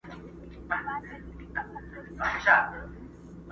شاهینان وه چي کوترې یې خوړلې!